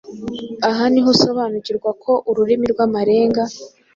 Aha niho usobanukirwa ko Ururimi rw’Amarenga